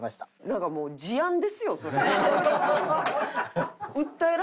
なんかもう事案ですよそれ。